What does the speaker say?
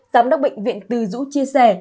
giám đốc bệnh viện từ dũ chia sẻ